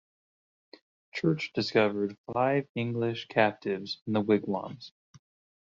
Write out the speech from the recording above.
Church discovered five English captives in the wigwams.